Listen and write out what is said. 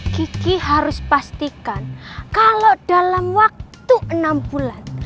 kiki harus pastikan kalau dalam waktu enam bulan